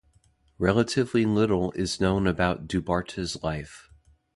Relatively little is known about Du Bartas' life.